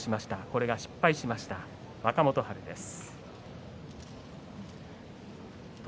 これが失敗しました若元春です。